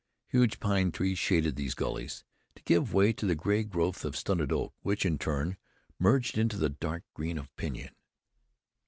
Huge pine trees shaded these gullies, to give way to the gray growth of stunted oak, which in turn merged into the dark green of pinyon.